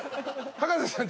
葉加瀬さん